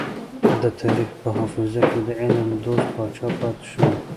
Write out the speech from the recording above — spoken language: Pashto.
د تاريخ په حافظه کې د علم دوست پاچا پاتې شو.